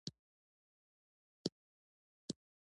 مینې وویل چې پلار ته به ووایم